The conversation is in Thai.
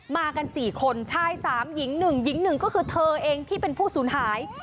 มากัน๔คนชาย๓หญิง๑หญิง๑ก็คือเธอเองที่เป็นผู้สูญหาย